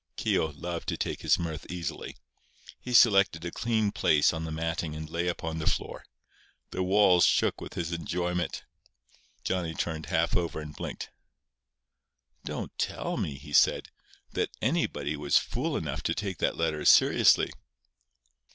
Keogh loved to take his mirth easily. He selected a clean place on the matting and lay upon the floor. The walls shook with his enjoyment. Johnny turned half over and blinked. "Don't tell me," he said, "that anybody was fool enough to take that letter seriously."